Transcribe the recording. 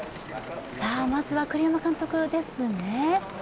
まずは栗山監督ですね。